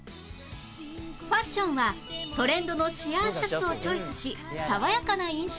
ファッションはトレンドのシアーシャツをチョイスし爽やかな印象